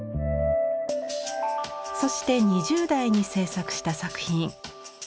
そして２０代に制作した作品。